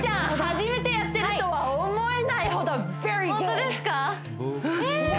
初めてやってるとは思えないほどベリーグッド！